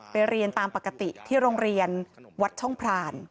ไปเรียนตามปกติที่โรงเรียนวัดช่องพราน